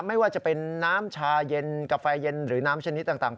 ไม่ว่าจะเป็นน้ำชาเย็นกาแฟเย็นหรือน้ำชนิดต่าง